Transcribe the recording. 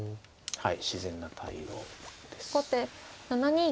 はい。